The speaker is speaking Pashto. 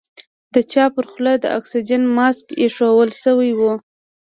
د چا پر خوله د اکسيجن ماسک ايښوول سوى و.